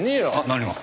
何が？